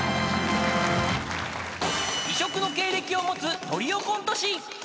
［異色の経歴を持つトリオコント師］